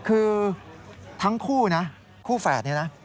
คือทั้งคู่นะคู่แฝดนี้นะ